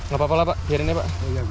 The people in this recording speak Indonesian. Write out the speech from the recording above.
gapapa lah pak biarin aja pak